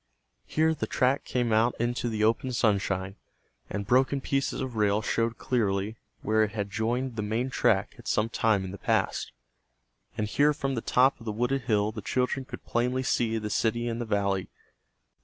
Here the track came out into the open sunshine, and broken pieces of rail showed clearly where it had joined the main track at some time in the past. And here from the top of the wooded hill the children could plainly see the city in the valley.